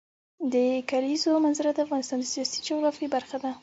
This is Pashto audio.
د کلیزو منظره د افغانستان د سیاسي جغرافیه برخه ده.